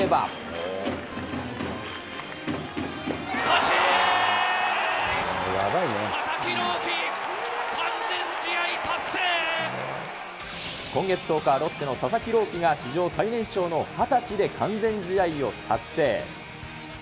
佐々木朗希、今月１０日、ロッテの佐々木朗希が史上最年少の２０歳で完全試合を達成。